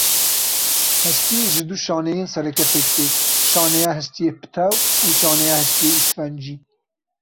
Hestî ji du şaneyên sereke pêk te, şaneya hestiyê pitew û şaneya hestiyê îsfencî.